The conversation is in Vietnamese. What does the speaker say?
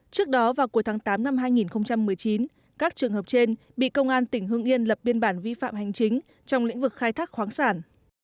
trước đó vào cuối tháng tám năm hai nghìn một mươi chín các trường hợp trên bị công an tỉnh hương yên lập biên bản vi phạm hành chính trong lĩnh vực khai thác khoáng sản